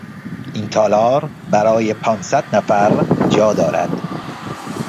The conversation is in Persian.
این تالار برای پانصد نفر جا دارد.